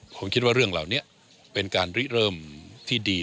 ผมคิดว่าเรื่องเหล่านี้เป็นการริเริ่มที่ดี